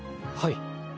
はい。